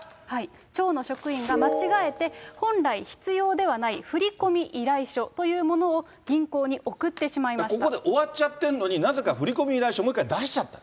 町の職員が、間違えて本来必要ではない振り込み依頼書というものを銀行に送っここで終わっちゃってるのに、なぜか振り込み依頼書、もう一回出しちゃった。